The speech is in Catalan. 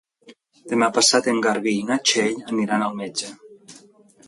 Demà passat en Garbí i na Txell aniran al metge.